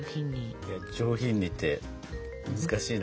いや上品にって難しいな。